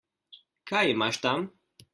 Kaj imaš tam?